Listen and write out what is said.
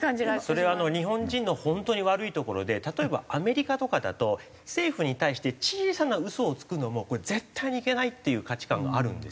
それ日本人の本当に悪いところで例えばアメリカとかだと政府に対して小さな嘘をつくのもこれ絶対にいけないっていう価値観があるんですよね。